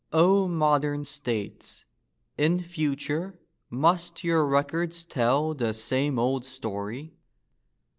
O modern states, in future must your records tell The same old story?